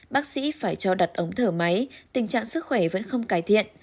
bác sĩ phải cho đặt ống thở máy tình trạng sức khỏe vẫn không cải thiện